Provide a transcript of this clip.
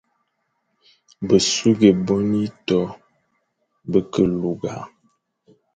Besughʼé bone ieto be ke lugha.